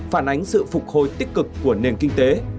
phản ánh sự phục hồi tích cực của nền kinh tế